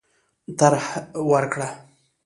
طرح ورکړه.